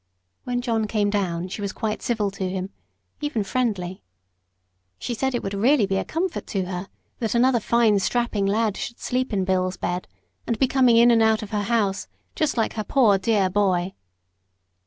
When John came down she was quite civil to him even friendly. She said it would really be a comfort to her, that another fine, strapping lad should sleep in Bill's bed, and be coming in and out of her house just like her poor dear boy.